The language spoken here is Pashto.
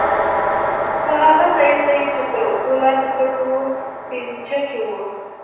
خو هغه ځايونه يې چې تر اوبو لاندې پټ وو سپينچکي وو.